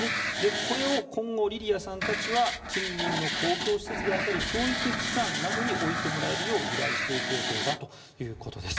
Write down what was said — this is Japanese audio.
これを今後、リリアさんたちは近隣の公共施設だったり教育機関などに置いてもらえるよう依頼していくということです。